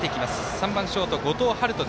３番ショート、後藤陽人。